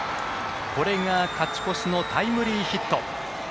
これが勝ち越しのタイムリーヒット。